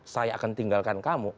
saya akan tinggalkan kamu